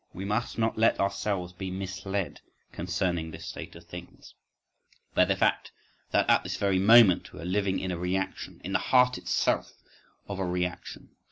… We must not let ourselves be misled concerning this state of things, by the fact that at this very moment we are living in a reaction, in the heart itself of a reaction.